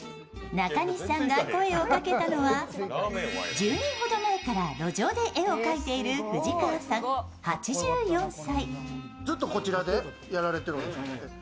中西さんが声をかけたのは１０年ほど前から路上で絵を描いている藤川さん８４歳。